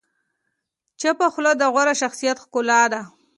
چپه خوله، د غوره شخصیت ښکلا ده.